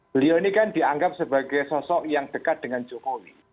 beliau ini kan dianggap sebagai sosok yang dekat dengan jokowi